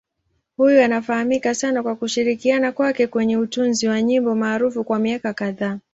Huyu anafahamika sana kwa kushirikiana kwake kwenye utunzi wa nyimbo maarufu kwa miaka kadhaa.